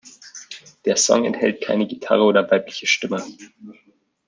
Der Song enthält keine Gitarre oder weibliche Stimme.